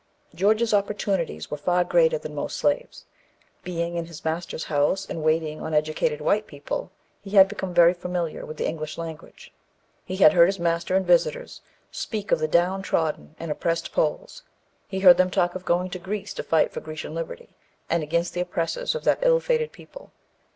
George's opportunities were far greater than most slaves. Being in his master's house, and waiting on educated white people, he had become very familiar with the English language. He had heard his master and visitors speak of the down trodden and oppressed Poles; he heard them talk of going to Greece to fight for Grecian liberty, and against the oppressors of that ill fated people.